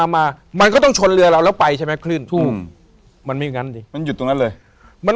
มันก็ต้องชนเรือเราแล้วไปใช่มั้ย